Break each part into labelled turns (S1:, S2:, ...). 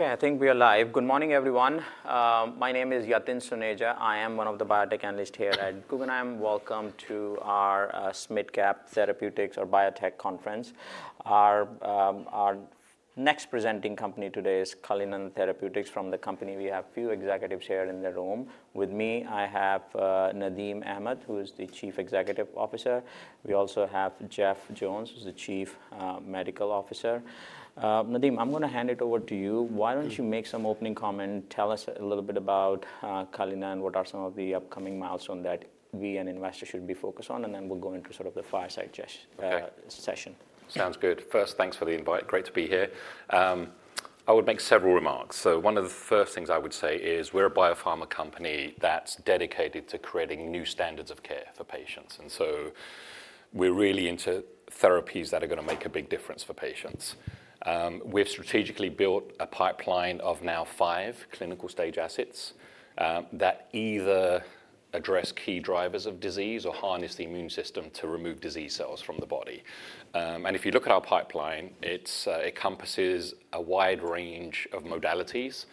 S1: Okay, I think we are live. Good morning, everyone. My name is Yatin Suneja. I am one of the biotech analysts here at Guggenheim. Welcome to our SMID Cap Therapeutics, or Biotech conference. Our next presenting company today is Cullinan Therapeutics from the company. We have a few executives here in the room. With me, I have Nadim Ahmed, who is the Chief Executive Officer. We also have Jeff Jones, who's the Chief Medical Officer. Nadim, I'm going to hand it over to you. Why don't you make some opening comment, tell us a little bit about Cullinan, what are some of the upcoming milestones that we and investors should be focused on, and then we'll go into sort of the fireside session.
S2: Sounds good. First, thanks for the invite. Great to be here. I would make several remarks. So one of the first things I would say is we're a Biopharma company that's dedicated to creating new standards of care for patients. And so we're really into therapies that are going to make a big difference for patients. We've strategically built a pipeline of now five clinical stage assets that either address key drivers of disease or harness the immune system to remove disease cells from the body. And if you look at our pipeline, it encompasses a wide range of modalities,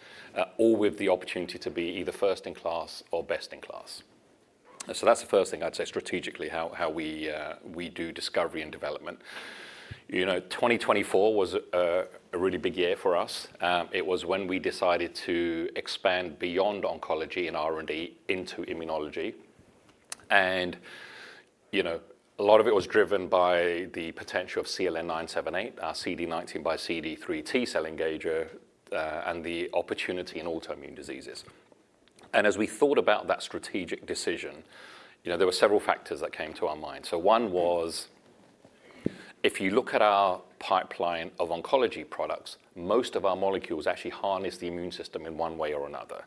S2: all with the opportunity to be either first in class or best in class. So that's the first thing I'd say strategically, how we do discovery and development. 2024 was a really big year for us. It was when we decided to expand beyond oncology and R&D into immunology. A lot of it was driven by the potential of CLN-978, our CD19, CD3 T-cell engager, and the opportunity in autoimmune diseases. As we thought about that strategic decision, there were several factors that came to our mind. One was, if you look at our pipeline of oncology products, most of our molecules actually harness the immune system in one way or another.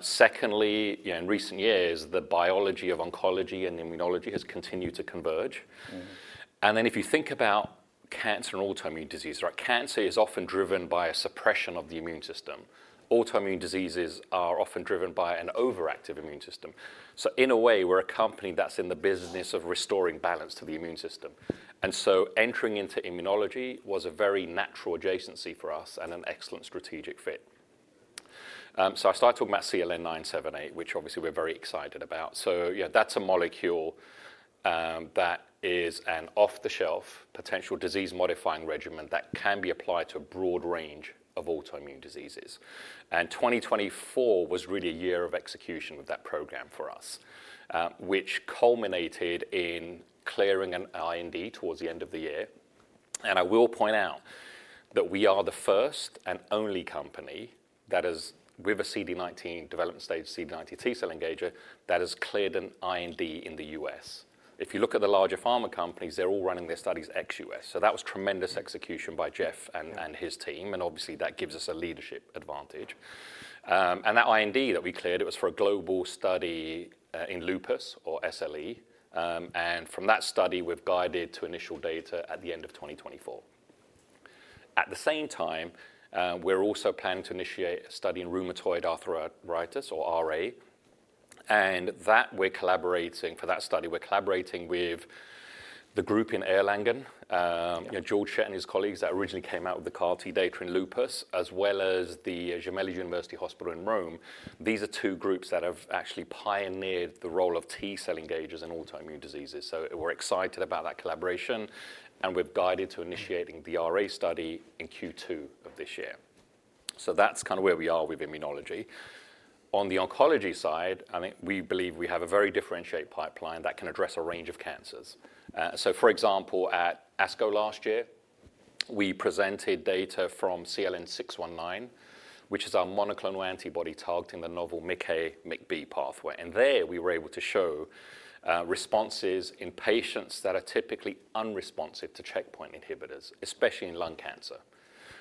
S2: Secondly, in recent years, the biology of oncology and immunology has continued to converge. If you think about cancer and autoimmune disease, cancer is often driven by a suppression of the immune system. Autoimmune diseases are often driven by an overactive immune system. In a way, we're a company that's in the business of restoring balance to the immune system. Entering into immunology was a very natural adjacency for us and an excellent strategic fit. So I started talking about CLN-978, which obviously we're very excited about. So that's a molecule that is an off-the-shelf potential disease-modifying regimen that can be applied to a broad range of autoimmune diseases. And 2024 was really a year of execution of that program for us, which culminated in clearing an IND towards the end of the year. And I will point out that we are the first and only company that has, with a CD19 development stage CD19 T-cell engager, that has cleared an IND in the U.S. If you look at the larger pharma companies, they're all running their studies ex-U.S. So that was tremendous execution by Jeff and his team. And obviously, that gives us a leadership advantage. And that IND that we cleared, it was for a global study in lupus or SLE. From that study, we've guided to initial data at the end of 2024. At the same time, we're also planning to initiate a study in rheumatoid arthritis, or RA. For that study, we're collaborating with the group in Erlangen, Georg Schett and his colleagues that originally came out with the CAR-T data in lupus, as well as the Gemelli University Hospital in Rome. These are two groups that have actually pioneered the role of T-cell engagers in autoimmune diseases. We're excited about that collaboration. We've guided to initiating the RA study in Q2 of this year. That's kind of where we are with immunology. On the oncology side, I think we believe we have a very differentiated pipeline that can address a range of cancers. For example, at ASCO last year, we presented data from CLN-619, which is our monoclonal antibody targeting the novel MICA, MICB pathway. And there we were able to show responses in patients that are typically unresponsive to checkpoint inhibitors, especially in lung cancer.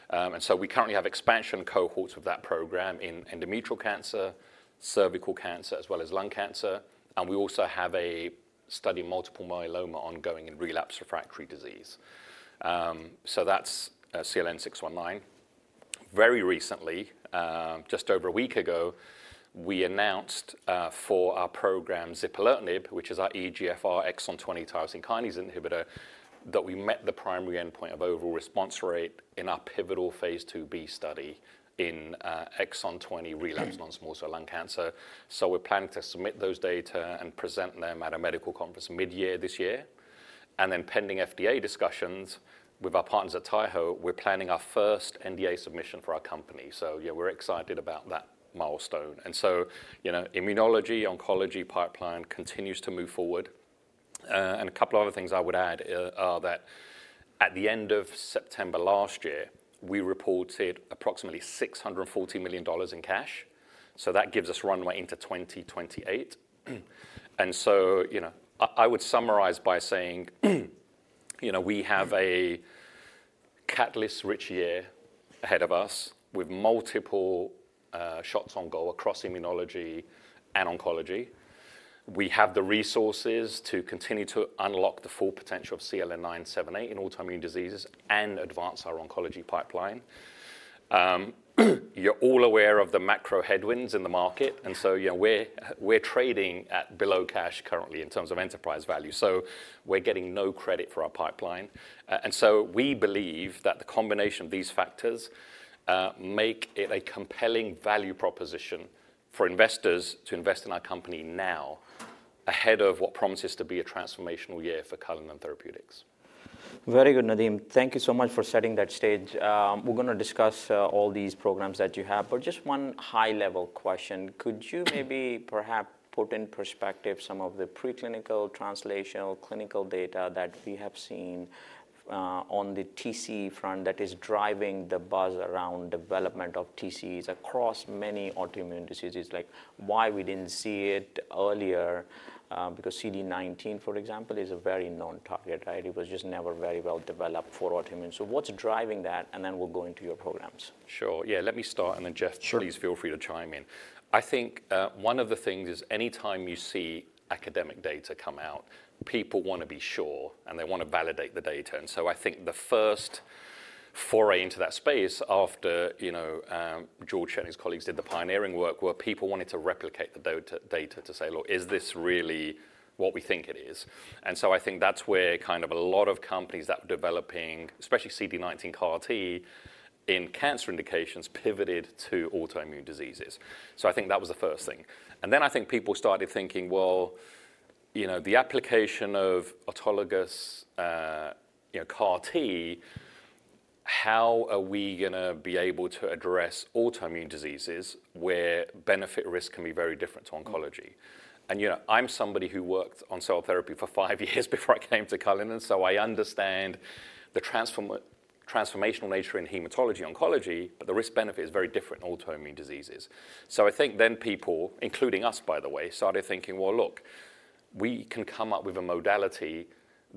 S2: And so we currently have expansion cohorts of that program in endometrial cancer, cervical cancer, as well as lung cancer. And we also have a study in multiple myeloma ongoing in relapsed refractory disease. That's CLN-619. Very recently, just over a week ago, we announced for our program zipalertinib, which is our EGFR exon 20 tyrosine kinase inhibitor, that we met the primary endpoint of overall response rate in our pivotal Phase 2B study in exon 20 relapsed non-small cell lung cancer. So we're planning to submit those data and present them at a medical conference mid-year this year. And then, pending FDA discussions with our partners at Taiho, we're planning our first NDA submission for our company. So we're excited about that milestone. And so immunology, oncology pipeline continues to move forward. And a couple of other things I would add are that at the end of September last year, we reported approximately $640 million in cash. So that gives us runway into 2028. And so I would summarize by saying we have a catalyst-rich year ahead of us with multiple shots on goal across immunology and oncology. We have the resources to continue to unlock the full potential of CLN-978 in autoimmune diseases and advance our oncology pipeline. You're all aware of the macro headwinds in the market. And so we're trading at below cash currently in terms of enterprise value. So we're getting no credit for our pipeline. We believe that the combination of these factors makes it a compelling value proposition for investors to invest in our company now, ahead of what promises to be a transformational year for Cullinan Therapeutics.
S1: Very good, Nadim. Thank you so much for setting that stage. We're going to discuss all these programs that you have. But just one high-level question. Could you maybe perhaps put in perspective some of the preclinical, translational, clinical data that we have seen on the TCE front that is driving the buzz around development of TCEs across many autoimmune diseases? Like why we didn't see it earlier? Because CD19, for example, is a very known target, right? It was just never very well developed for autoimmune. So what's driving that? And then we'll go into your programs.
S2: Sure. Yeah, let me start and then Jeff, please feel free to chime in. I think one of the things is anytime you see academic data come out, people want to be sure and they want to validate the data. And so I think the first foray into that space after Georg Schett and his colleagues did the pioneering work were people wanting to replicate the data to say, look, is this really what we think it is? And so I think that's where kind of a lot of companies that were developing, especially CD19 CAR T in cancer indications, pivoted to autoimmune diseases. So I think that was the first thing. And then I think people started thinking, well, the application of autologous CAR T, how are we going to be able to address autoimmune diseases where benefit-risk can be very different to oncology? And I'm somebody who worked on cell therapy for five years before I came to Cullinan. So I understand the transformational nature in hematology-oncology, but the risk-benefit is very different in autoimmune diseases. So I think then people, including us, by the way, started thinking, well, look, we can come up with a modality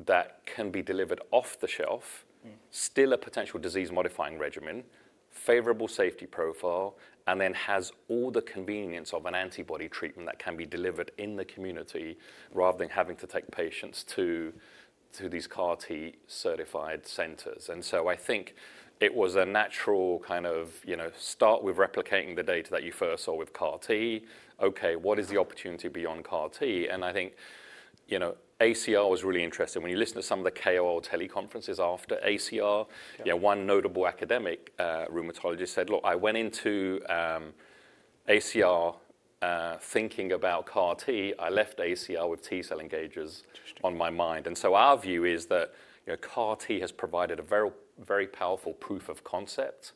S2: that can be delivered off the shelf, still a potential disease-modifying regimen, favorable safety profile, and then has all the convenience of an antibody treatment that can be delivered in the community rather than having to take patients to these CAR T-certified centers. And so I think it was a natural kind of start with replicating the data that you first saw with CAR T. Okay, what is the opportunity beyond CAR T? And I think ACR was really interesting. When you listen to some of the KOL teleconferences after ACR, one notable academic rheumatologist said, look, I went into ACR thinking about CAR T. I left ACR with T cell engagers on my mind. And so our view is that CAR T has provided a very powerful proof of concept,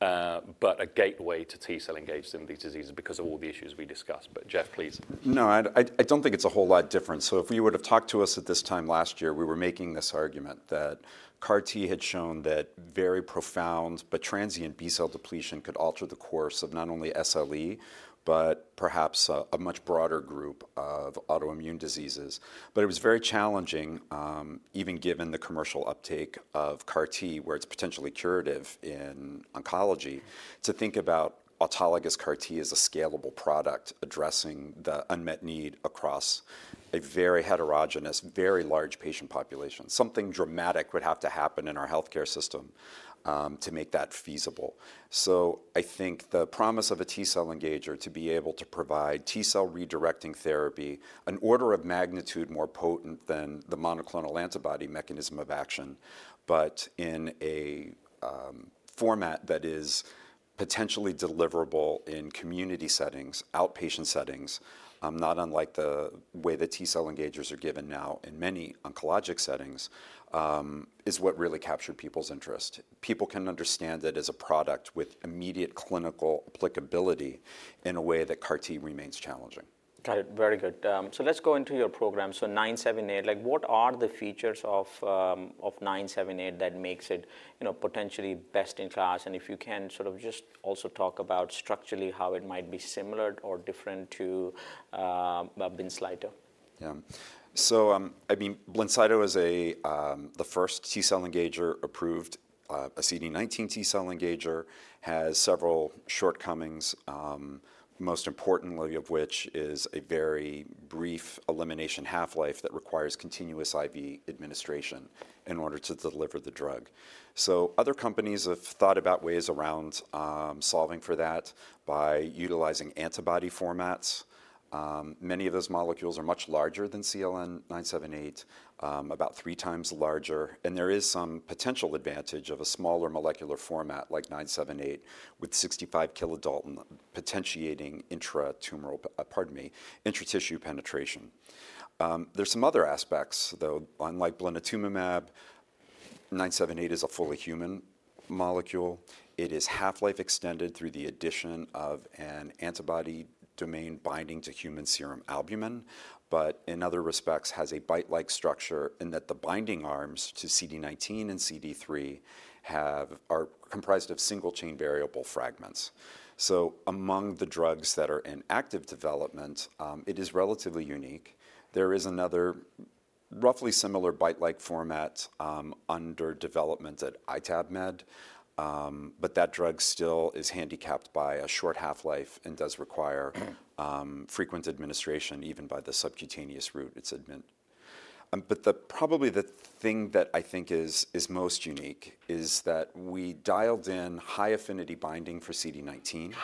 S2: but a gateway to T cell engagers in these diseases because of all the issues we discussed. But Jeff, please.
S3: No, I don't think it's a whole lot different. So if you would have talked to us at this time last year, we were making this argument that CAR T had shown that very profound but transient B cell depletion could alter the course of not only SLE, but perhaps a much broader group of autoimmune diseases. But it was very challenging, even given the commercial uptake of CAR T, where it's potentially curative in oncology, to think about autologous CAR T as a scalable product addressing the unmet need across a very heterogeneous, very large patient population. Something dramatic would have to happen in our healthcare system to make that feasible. So I think the promise of a T-cell engager to be able to provide T-cell redirecting therapy, an order of magnitude more potent than the monoclonal antibody mechanism of action, but in a format that is potentially deliverable in community settings, outpatient settings, not unlike the way the T-cell engagers are given now in many oncologic settings, is what really captured people's interest. People can understand it as a product with immediate clinical applicability in a way that CAR T remains challenging.
S1: Got it. Very good. So let's go into your program. So 978, what are the features of 978 that makes it potentially best in class? And if you can sort of just also talk about structurally how it might be similar or different to Blincyto.
S3: Yeah. So I mean, Blincyto is the first T-cell engager approved. A CD19 T-cell engager has several shortcomings, most importantly of which is a very brief elimination half-life that requires continuous IV administration in order to deliver the drug. So other companies have thought about ways around solving for that by utilizing antibody formats. Many of those molecules are much larger than CLN-978, about three times larger. And there is some potential advantage of a smaller molecular format like 978 with 65 kilodalton potentiating intratissue penetration. There are some other aspects, though. Unlike blinatumomab, 978 is a fully human molecule. It is half-life extended through the addition of an antibody domain binding to human serum albumin, but in other respects has a BiTE-like structure in that the binding arms to CD19 and CD3 are comprised of single-chain variable fragments. Among the drugs that are in active development, it is relatively unique. There is another roughly similar BiTE-like format under development at iTabMed, but that drug still is handicapped by a short half-life and does require frequent administration even by the subcutaneous route. Probably the thing that I think is most unique is that we dialed in high affinity binding for CD19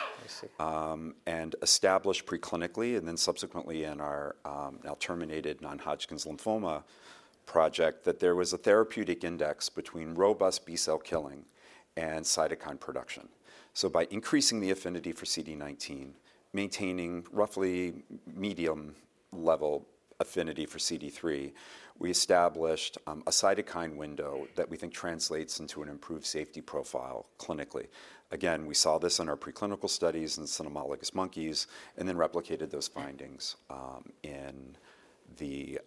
S3: and established preclinically and then subsequently in our now terminated non-Hodgkin's lymphoma project that there was a therapeutic index between robust-B -cell killing and cytokine production. By increasing the affinity for CD19, maintaining roughly medium-level affinity for CD3, we established a cytokine window that we think translates into an improved safety profile clinically. Again, we saw this in our preclinical studies in cynomolgus monkeys and then replicated those findings in the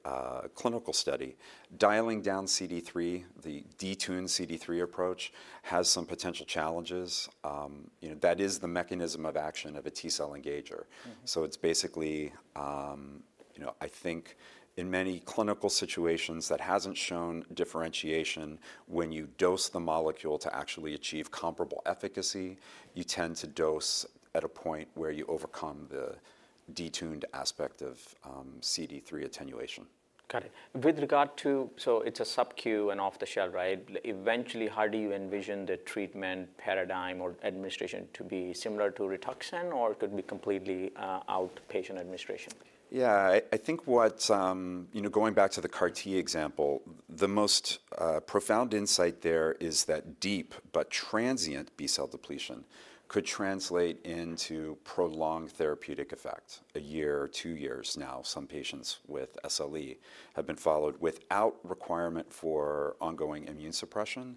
S3: clinical study. Dialing down CD3, the detune CD3 approach has some potential challenges. That is the mechanism of action of a T-cell engager. So it's basically, I think in many clinical situations that hasn't shown differentiation, when you dose the molecule to actually achieve comparable efficacy, you tend to dose at a point where you overcome the detuned aspect of CD3 attenuation.
S1: Got it. With regard to, so it's a sub-Q and off-the-shelf, right? Eventually, how do you envision the treatment paradigm or administration to be similar to Rituxan or could be completely outpatient administration?
S3: Yeah, I think, going back to the CAR-T example, the most profound insight there is that deep but transient B-cell depletion could translate into prolonged therapeutic effect. A year, two years now, some patients with SLE have been followed without requirement for ongoing immune suppression.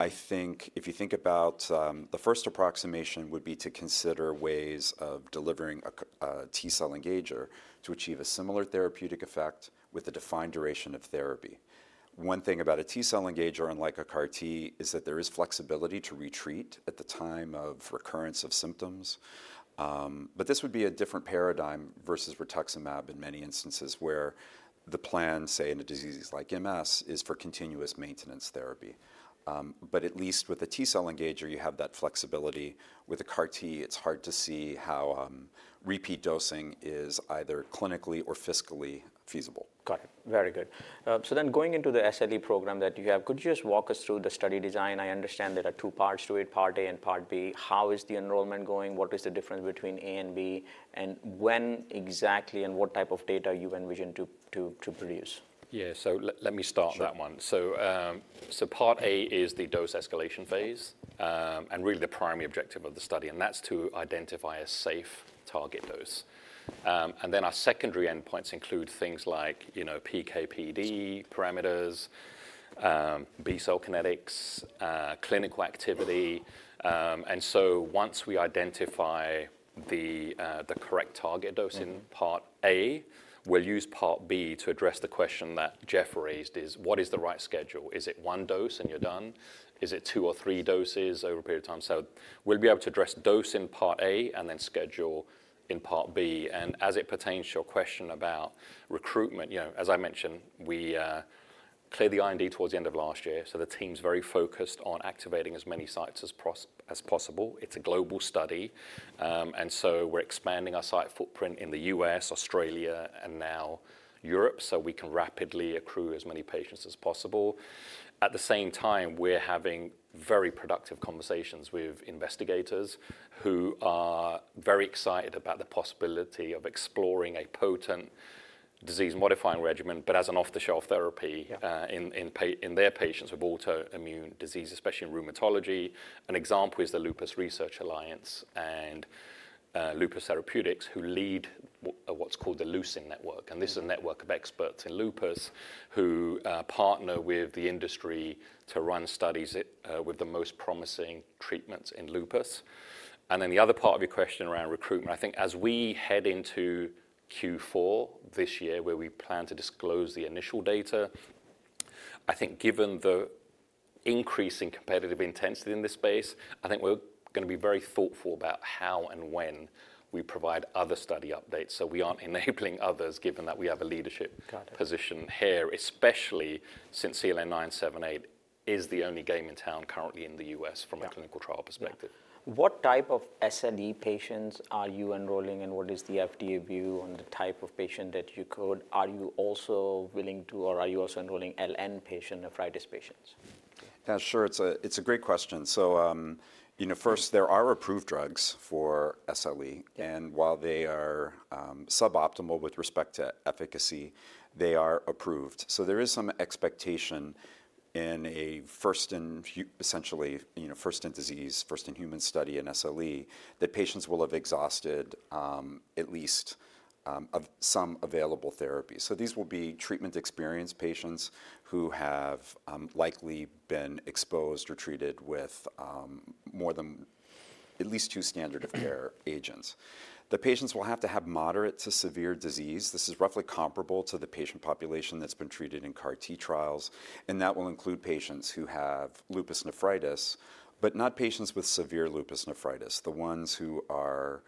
S3: I think if you think about the first approximation would be to consider ways of delivering a T-cell engager to achieve a similar therapeutic effect with a defined duration of therapy. One thing about a T-cell engager unlike a CAR-T is that there is flexibility to retreat at the time of recurrence of symptoms. This would be a different paradigm versus rituximab in many instances where the plan, say, in a disease like MS, is for continuous maintenance therapy. At least with a T-cell engager, you have that flexibility. With a CAR T, it's hard to see how repeat dosing is either clinically or fiscally feasible.
S1: Got it. Very good. So then going into the SLE program that you have, could you just walk us through the study design? I understand there are two parts to it, part A and part B. How is the enrollment going? What is the difference between A&B? And when exactly and what type of data you envision to produce?
S2: Yeah, so let me start that one, so part A is the dose escalation phase and really the primary objective of the study, and that's to identify a safe target dose, and then our secondary endpoints include things like PK/PD parameters, B-cell kinetics, clinical activity. And so once we identify the correct target dose in part A, we'll use part B to address the question that Jeff raised, is what is the right schedule? Is it one dose and you're done? Is it two or three doses over a period of time? So we'll be able to address dose in part A and then schedule in part B, and as it pertains to your question about recruitment, as I mentioned, we cleared the IND towards the end of last year, so the team's very focused on activating as many sites as possible, it's a global study. We're expanding our site footprint in the U.S., Australia, and now Europe so we can rapidly accrue as many patients as possible. At the same time, we're having very productive conversations with investigators who are very excited about the possibility of exploring a potent disease-modifying regimen, but as an off-the-shelf therapy in their patients with autoimmune disease, especially in rheumatology. An example is the Lupus Research Alliance and Lupus Therapeutics who lead what's called the LuCIN Network. This is a network of experts in lupus who partner with the industry to run studies with the most promising treatments in lupus. And then the other part of your question around recruitment, I think as we head into Q4 this year where we plan to disclose the initial data, I think given the increasing competitive intensity in this space, I think we're going to be very thoughtful about how and when we provide other study updates. So we aren't enabling others given that we have a leadership position here, especially since CLN-978 is the only game in town currently in the U.S. from a clinical trial perspective.
S1: What type of SLE patients are you enrolling, and what is the FDA view on the type of patient that you could? Are you also willing to, or are you also enrolling LN patients, nephritis patients?
S3: Yeah, sure. It's a great question. So first, there are approved drugs for SLE. And while they are suboptimal with respect to efficacy, they are approved. So there is some expectation in a first in essentially first in disease, first in human study in SLE that patients will have exhausted at least some available therapies. So these will be treatment experienced patients who have likely been exposed or treated with more than at least two standard of care agents. The patients will have to have moderate to severe disease. This is roughly comparable to the patient population that's been treated in CAR T trials. And that will include patients who have lupus nephritis, but not patients with severe lupus nephritis. The ones who are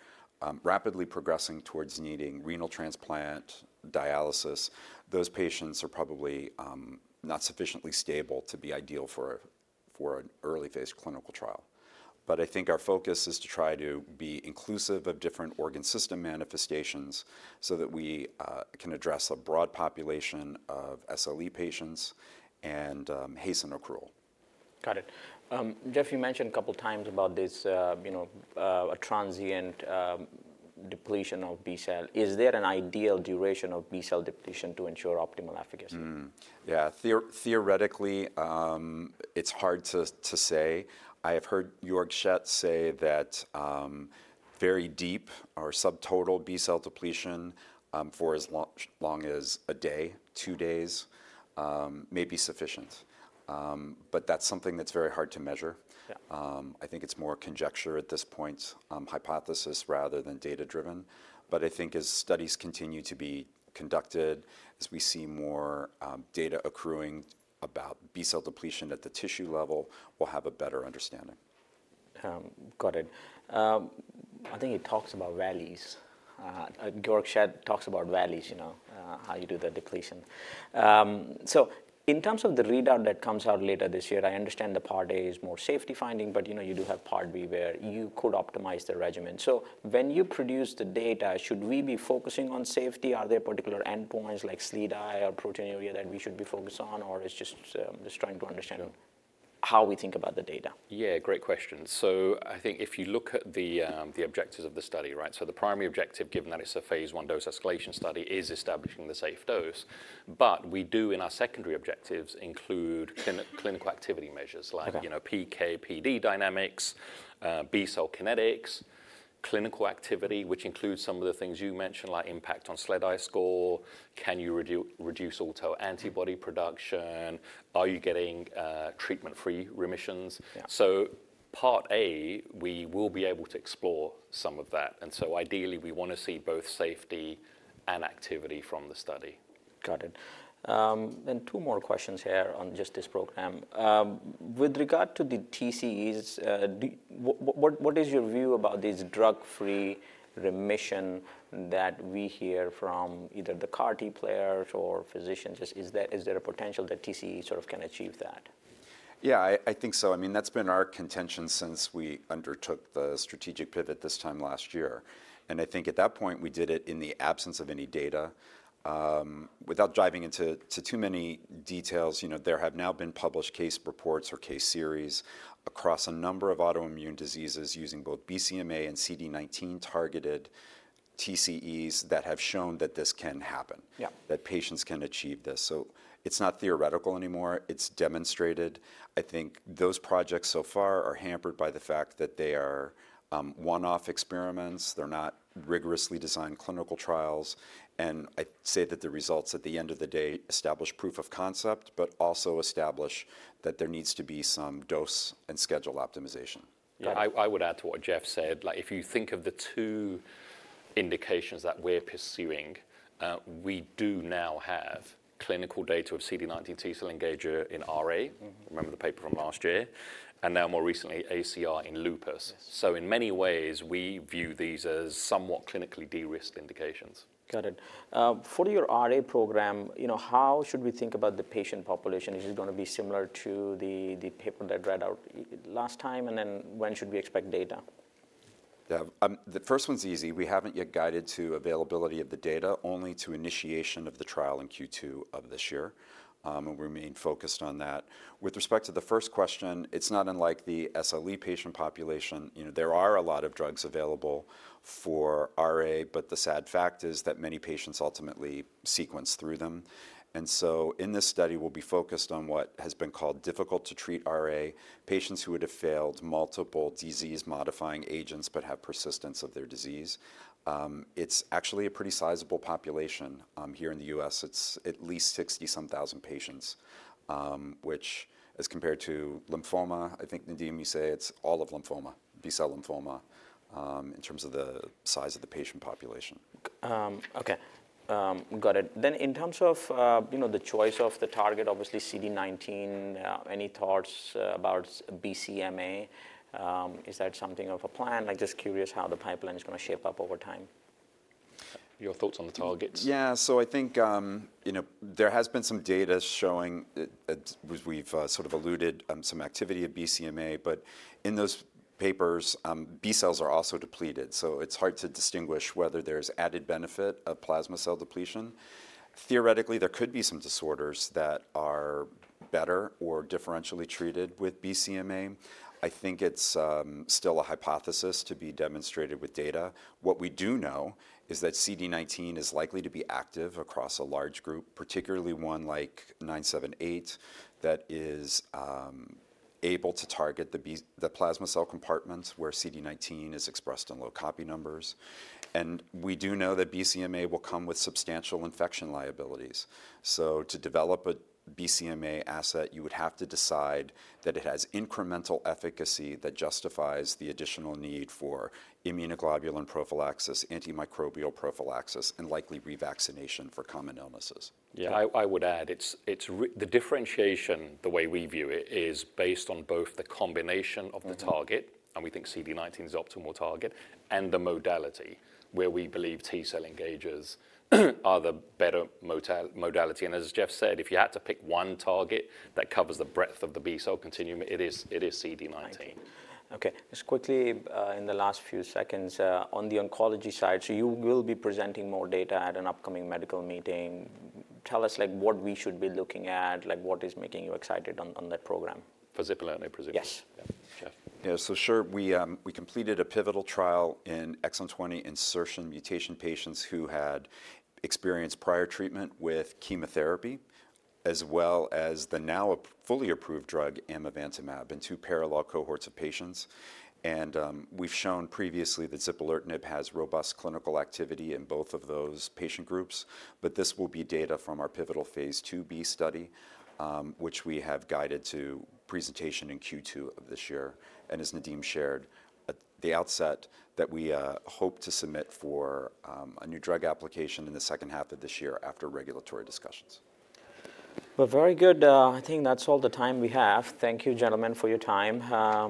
S3: rapidly progressing towards needing renal transplant dialysis, those patients are probably not sufficiently stable to be ideal for an early phase clinical trial. But I think our focus is to try to be inclusive of different organ system manifestations so that we can address a broad population of SLE patients and hasten accrual.
S1: Got it. Jeff, you mentioned a couple of times about this transient depletion of B-cell. Is there an ideal duration of B-cell depletion to ensure optimal efficacy?
S3: Yeah, theoretically, it's hard to say. I have heard Georg Schett say that very deep or subtotal B cell depletion for as long as a day, two days, may be sufficient. But that's something that's very hard to measure. I think it's more conjecture at this point, hypothesis rather than data-driven. But I think as studies continue to be conducted, as we see more data accruing about B cell depletion at the tissue level, we'll have a better understanding.
S1: Got it. I think he talks about valleys. Georg Schett talks about valleys, how you do the depletion. So in terms of the readout that comes out later this year, I understand the part A is more safety finding, but you do have part B where you could optimize the regimen. So when you produce the data, should we be focusing on safety? Are there particular endpoints like SLEDAI or proteinuria that we should be focused on, or it's just trying to understand how we think about the data?
S2: Yeah, great question. So I think if you look at the objectives of the study, right, so the primary objective, given that it's a Phase 1 dose escalation study, is establishing the safe dose. But we do in our secondary objectives include clinical activity measures like PK/PD dynamics, B cell kinetics, clinical activity, which includes some of the things you mentioned like impact on SLEDAI score, can you reduce autoantibody production, are you getting treatment-free remissions. So part A, we will be able to explore some of that. So ideally, we want to see both safety and activity from the study.
S1: Got it. And two more questions here on just this program. With regard to the TCEs, what is your view about this drug-free remission that we hear from either the CAR T players or physicians? Is there a potential that TCE sort of can achieve that?
S3: Yeah, I think so. I mean, that's been our contention since we undertook the strategic pivot this time last year, and I think at that point, we did it in the absence of any data. Without diving into too many details, there have now been published case reports or case series across a number of autoimmune diseases using both BCMA and CD19 targeted TCEs that have shown that this can happen, that patients can achieve this, so it's not theoretical anymore. It's demonstrated. I think those projects so far are hampered by the fact that they are one-off experiments. They're not rigorously designed clinical trials, and I say that the results at the end of the day establish proof of concept, but also establish that there needs to be some dose and schedule optimization.
S2: Yeah, I would add to what Jeff said. If you think of the two indications that we're pursuing, we do now have clinical data of CD19 T cell engager in RA, remember the paper from last year, and now more recently ACR in lupus. So in many ways, we view these as somewhat clinically de-risked indications.
S1: Got it. For your RA program, how should we think about the patient population? Is it going to be similar to the paper that read out last time? And then when should we expect data?
S3: Yeah, the first one's easy. We haven't yet guided to availability of the data only to initiation of the trial in Q2 of this year. We remain focused on that. With respect to the first question, it's not unlike the SLE patient population. There are a lot of drugs available for RA, but the sad fact is that many patients ultimately sequence through them. And so in this study, we'll be focused on what has been called difficult to treat RA, patients who would have failed multiple disease-modifying agents but have persistence of their disease. It's actually a pretty sizable population here in the US. It's at least 60-some thousand patients, which as compared to lymphoma, I think Nadim, you say it's all of lymphoma, B cell lymphoma in terms of the size of the patient population.
S1: Okay, got it. Then in terms of the choice of the target, obviously CD19, any thoughts about BCMA? Is that something of a plan? I'm just curious how the pipeline is going to shape up over time.
S2: Your thoughts on the targets?
S3: Yeah, so I think there has been some data showing we've sort of alluded to some activity of BCMA, but in those papers, B cells are also depleted. So it's hard to distinguish whether there's added benefit of plasma cell depletion. Theoretically, there could be some disorders that are better or differentially treated with BCMA. I think it's still a hypothesis to be demonstrated with data. What we do know is that CD19 is likely to be active across a large group, particularly one like 978 that is able to target the plasma cell compartments where CD19 is expressed in low copy numbers. And we do know that BCMA will come with substantial infection liabilities. So to develop a BCMA asset, you would have to decide that it has incremental efficacy that justifies the additional need for immunoglobulin prophylaxis, antimicrobial prophylaxis, and likely revaccination for common illnesses.
S2: Yeah, I would add the differentiation, the way we view it, is based on both the combination of the target, and we think CD19 is the optimal target, and the modality where we believe T cell engagers are the better modality, and as Jeff said, if you had to pick one target that covers the breadth of the B cell continuum, it is CD19.
S1: Okay, just quickly in the last few seconds on the oncology side, so you will be presenting more data at an upcoming medical meeting. Tell us what we should be looking at, what is making you excited on that program?
S2: For Zipalertinib, I presume.
S1: Yes.
S3: Yeah, so sure. We completed a pivotal trial in exon 20 insertion mutation patients who had experienced prior treatment with chemotherapy, as well as the now fully approved drug amivantamab in two parallel cohorts of patients. And we've shown previously that zipalertinib has robust clinical activity in both of those patient groups. But this will be data from our pivotal phase 2B study, which we have guided to presentation in Q2 of this year. And as Nadim shared, the upshot that we hope to submit for a new drug application in the second half of this year after regulatory discussions.
S1: Very good. I think that's all the time we have. Thank you, gentlemen, for your time.